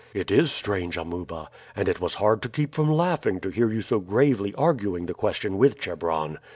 "It is strange, Amuba, and it was hard to keep from laughing to hear you so gravely arguing the question with Chebron.